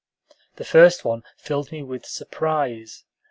The first one filled me with surprise.